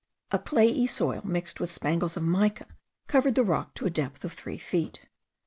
A clayey soil mixed with spangles of mica covered the rock, to the depth of three feet.